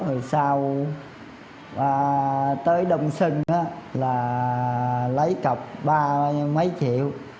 rồi sau tới đông sân là lấy cọc ba mấy triệu